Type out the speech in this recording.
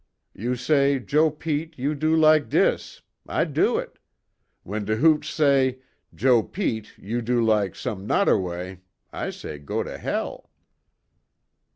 You say, Joe Pete, you do lak dis. I do it. W'en de hooch say, Joe Pete you do lak som' nodder way. I say go to hell."